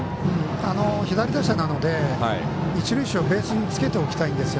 左打者なので一塁手をベースにつけておきたいんです。